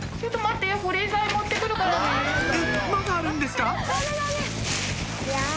えっまだあるんですか？